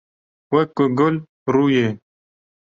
Wek ku gul, rû ye